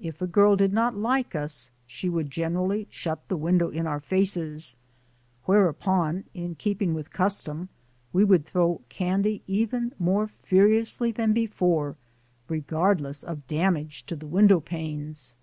If a girl did not like us she would gen erally shut the window in our faces; whereupon, in keeping with custom, we would throw candy even more furiously than before, regardless of damage to the windowpanes.